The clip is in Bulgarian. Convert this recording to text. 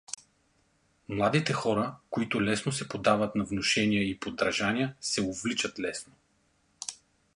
Младите хора, които лесно се поддават на внушения и подражания, се увличат лесно.